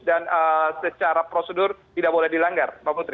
dan secara prosedur tidak boleh dilanggar